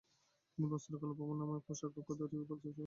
তিনি বস্ত্রকলা ভবন নামে একটি পোশাক তৈরি প্রতিষ্ঠান গঠন করেন।